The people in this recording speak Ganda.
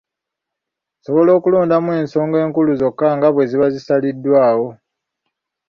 Nsobola okulondamu ensonga enkulu zokka nga bwe ziba zisaliddwawo.